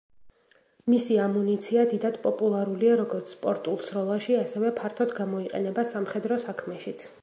მისი ამუნიცია დიდად პოპულარულია, როგორც სპორტულ სროლაში, ასევე ფართოდ გამოიყენება სამხედრო საქმეშიც.